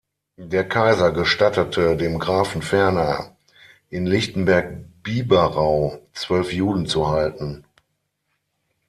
Der Kaiser gestattete dem Grafen ferner, in Lichtenberg-Bieberau zwölf Juden zu halten.